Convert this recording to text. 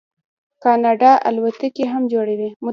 کاناډا الوتکې هم جوړوي.